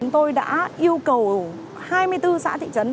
tôi đã yêu cầu hai mươi bốn xã thị trấn